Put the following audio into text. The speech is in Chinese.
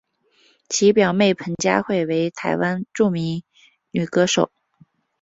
其表妹彭佳慧为台湾著名女歌手。